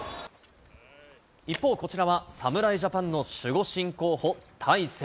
一方、こちらは侍ジャパンの守護神候補、大勢。